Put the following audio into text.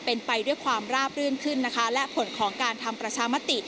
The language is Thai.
เป็นไปด้วยความราบรื่นขึ้นนะคะและผลของการทำประชามติ